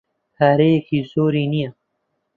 پارەیەکی زۆری نییە.